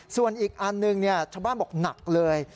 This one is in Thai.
ส่วนอีกอันหนึ่งชาวบ้านบอกหนักเลย